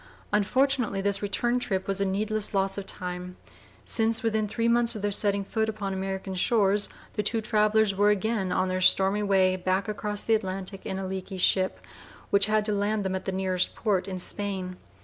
Unfortunately this return trip was a needless loss of time, since within three months of their setting foot upon American shores the two travellers were again on their stormy way back across the Atlantic in a leaky ship, which had to land them at the nearest port in Spain.